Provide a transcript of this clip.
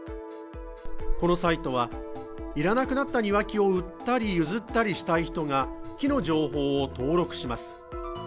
このサイトは、要らなくなった庭木を売ったり譲ったりしたい人が木の情報を登録します。